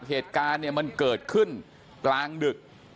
เหตุการณ์เนี่ยมันเกิดขึ้นกลางดึก